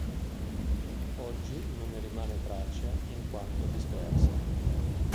Oggi non ne rimane traccia in quanto disperse.